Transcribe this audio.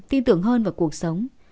tin tưởng hơn vào cuộc sống